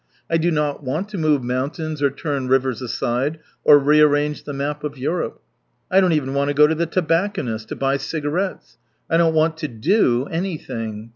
I do not want to move mountains or turn rivers aside or rearrange the map of Europe. I don't even want to go to the tobacconist to buy cigarettes. I don't want to do anything.